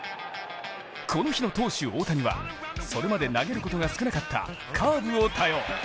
この日の投手・大谷はそれまで投げることが少なかったカーブを多用。